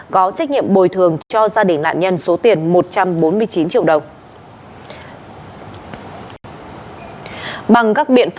có trách nhiệm bồi thường cho gia đình nạn nhân số tiền một trăm linh